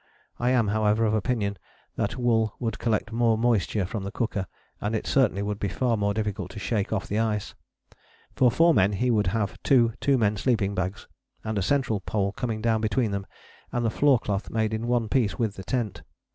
I am, however, of opinion that wool would collect more moisture from the cooker, and it certainly would be far more difficult to shake off the ice. For four men he would have two two men sleeping bags and a central pole coming down between them, and the floor cloth made in one piece with the tent.